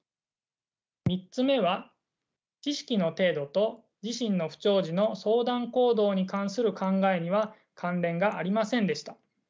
３つ目は知識の程度と自身の不調時の相談行動に関する考えには関連がありませんでした。